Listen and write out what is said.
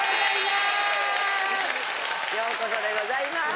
ようこそでございます。